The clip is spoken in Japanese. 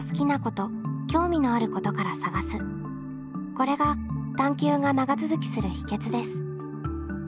これが探究が長続きする秘けつです。